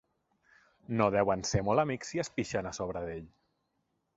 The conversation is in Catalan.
No deuen ser molt amics si es pixen a sobre d'ell.